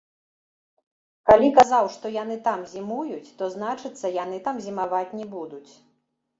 Калі казаў, што яны там зімуюць, то, значыцца, яны там зімаваць не будуць.